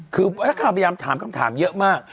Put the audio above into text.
คือนักข่าวพยายามถามคำถามเยอะมาก